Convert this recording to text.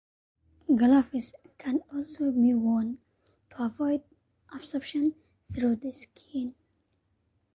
Gloves can also be worn to avoid absorption through the skin.